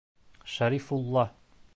Шәрифулла!